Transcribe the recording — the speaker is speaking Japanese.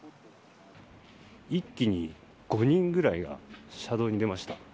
一気に５人ぐらいが車道に出ました。